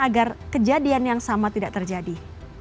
agar kejadian yang sama tidak terjadi